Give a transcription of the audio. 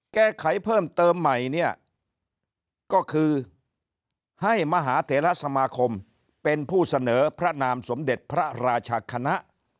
แก้ไขเพิ่มเติมใหม่เนี่ยก็คือให้มหาเถระสมาคมเป็นผู้เสนอพระนามสมเด็จพระราชคณะ